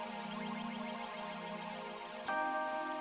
ke rumah mau rumah